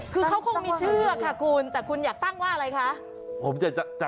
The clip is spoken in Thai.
คือเขาคงมีชื่อค่ะคุณแต่คุณอยากตั้งว่าอะไรคะ